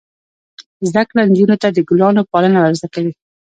زده کړه نجونو ته د ګلانو پالنه ور زده کوي.